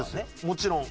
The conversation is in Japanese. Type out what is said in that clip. もちろん。